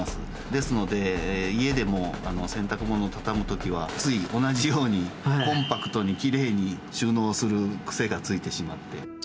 ですので、家でも洗濯物を畳むときは、つい同じように、コンパクトにきれいに収納する癖がついてしまって。